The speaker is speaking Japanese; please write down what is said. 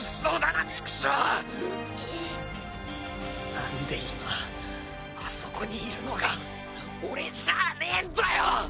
なんで今あそこにいるのが俺じゃあねぇんだよ！